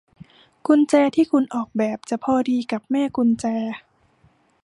กุญแจที่คุณออกแบบจะพอดีกับแม่กุญแจ